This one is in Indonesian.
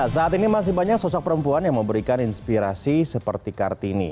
saat ini masih banyak sosok perempuan yang memberikan inspirasi seperti kartini